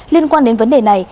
liên quan đến vấn đề này